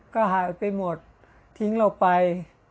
ก็หายไปหมดทงงายลงไป